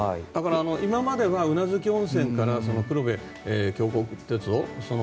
今までは宇奈月温泉から黒部峡谷鉄道。